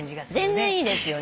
全然いいですよね。